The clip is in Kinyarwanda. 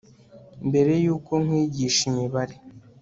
mbere yuko nkwigisha imibare